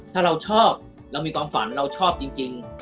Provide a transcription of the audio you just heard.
ถ้าเราชอบเรามีความฝันเราชอบจริง